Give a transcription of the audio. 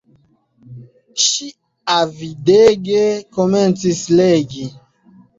Ŝi avidege komencis legi.